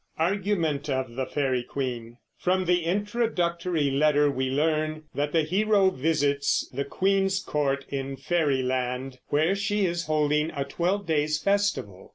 ARGUMENT OF THE FAERY QUEEN. From the introductory letter we learn that the hero visits the queen's court in Fairy Land, while she is holding a twelve days festival.